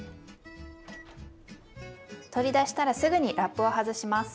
取り出したらすぐにラップを外します。